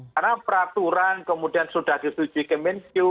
karena peraturan kemudian sudah disuji kpnq